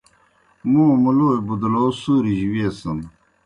موں مُلوئے بُدلوٗ سُوریْ جیْ ویسِن۔